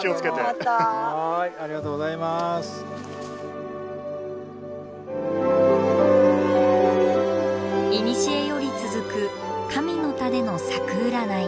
いにしえより続く「神の田」での作占い。